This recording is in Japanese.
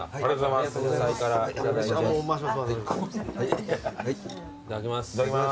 いただきます。